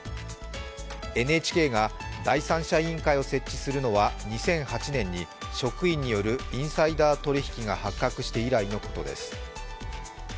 ＮＨＫが第三者委員会を設置するのは２００８年に職員によるインサイダー取引が発覚して以来のことです。